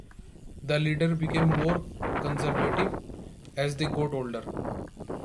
Their leaders became more conservative as they got older.